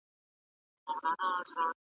دوست اشارې ته ګوري او دښمن وارې ته .